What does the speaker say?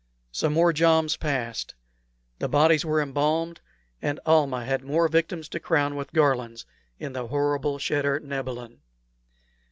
Some more joms passed. The bodies were embalmed, and Almah had more victims to crown with garlands in the horrible cheder nebilin.